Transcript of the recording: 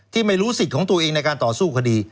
ที่ไม่รู้สิทธิ์ของตัวเองในการต่อสู้คดี